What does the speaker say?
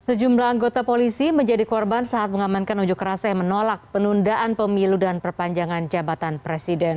sejumlah anggota polisi menjadi korban saat mengamankan unjuk rasa yang menolak penundaan pemilu dan perpanjangan jabatan presiden